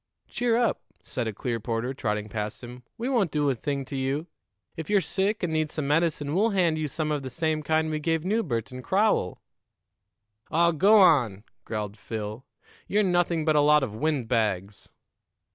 "Cheer up," said a Clearporter, trotting past him. "We won't do a thing to you. If you're sick and need some medicine, we'll hand you some of the same kind we gave Newbert and Crowell." "Aw, go on!" growled Phil. "You're nothing but a lot of wind bags."